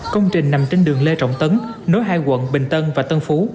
công trình nằm trên đường lê trọng tấn nối hai quận bình tân và tân phú